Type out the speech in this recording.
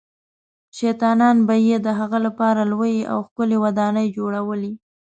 شیطانان به یې د هغه لپاره لویې او ښکلې ودانۍ جوړولې.